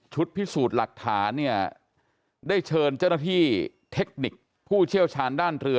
พิสูจน์หลักฐานเนี่ยได้เชิญเจ้าหน้าที่เทคนิคผู้เชี่ยวชาญด้านเรือ